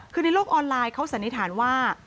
คือในโลกออนไลน์เขาสันนิษฐานว่า